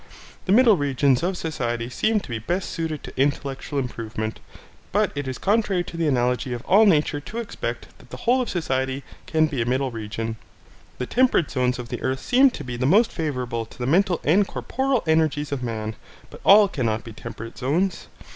The middle regions of society seem to be best suited to intellectual improvement, but it is contrary to the analogy of all nature to expect that the whole of society can be a middle region. The temperate zones of the earth seem to be the most favourable to the mental and corporal energies of man, but all cannot be temperate zones.